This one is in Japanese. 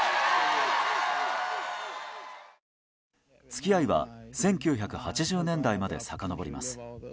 付き合いは１９８０年代までさかのぼります。